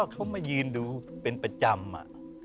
เขามายืนดูเป็นประจำ